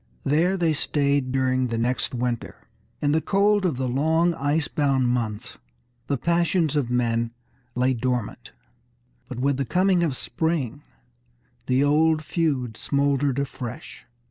There they stayed during the next winter. In the cold of the long ice bound months, the passions of men lay dormant. But with the coming of spring the old feud smouldered afresh.